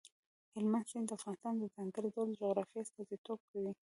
هلمند سیند د افغانستان د ځانګړي ډول جغرافیې استازیتوب کوي.